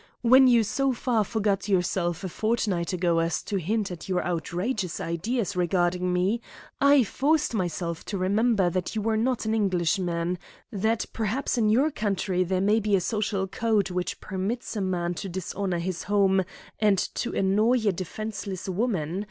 When you so far forgot yourself a fortnight ago as to hint at your outrageous ideas regarding me, I forced myself to remember that you were not an Englishman, that perhaps in your country there may be a social code which permits a man to dishonour his home and to annoy a defenceless woman.